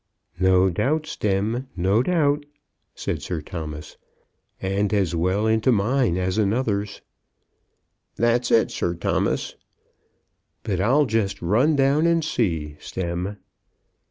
"No doubt, Stemm, no doubt," said Sir Thomas; "and as well into mine as another's." "That's it, Sir Thomas." "But I'll just run down and see, Stemm."